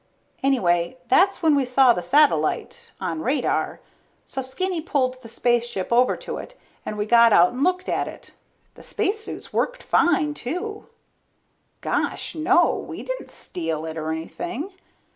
Anyway that's when we saw the satellite on radar. So Skinny pulled the spaceship over to it and we got out and looked at it. The spacesuits worked fine, too. Gosh no, we didn't steal it or anything.